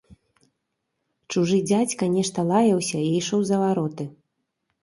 Чужы дзядзька нешта лаяўся і ішоў за вароты.